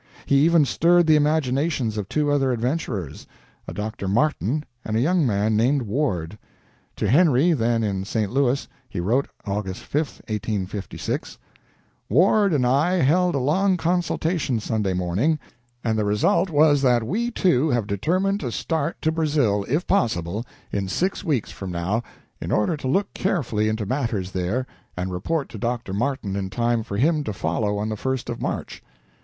He even stirred the imaginations of two other adventurers, a Dr. Martin and a young man named Ward. To Henry, then in St. Louis, he wrote, August 5, 1856: "Ward and I held a long consultation Sunday morning, and the result was that we two have determined to start to Brazil, if possible, in six weeks from now, in order to look carefully into matters there and report to Dr. Martin in time for him to follow on the first of March."